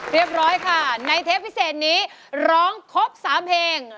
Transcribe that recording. เรียบร้อยค่ะในเทปพิเศษนี้ร้องครบ๓เพลง